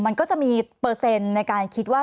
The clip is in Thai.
มันก็จะมีเปอร์เซ็นต์ในการคิดว่า